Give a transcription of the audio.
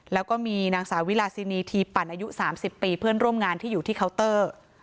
แล้วก็มีนางสาวิลาซินีทีปั่นอายุ๓๐ปีเพื่อนร่วมงานที่อยู่ที่เคาน์เตอร์